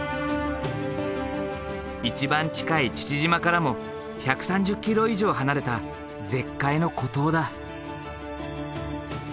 １番近い父島からも１３０ｋｍ以上離れた絶海の孤島だ。